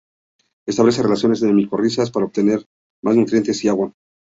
Establece relaciones con micorrizas para obtener más nutrientes y agua.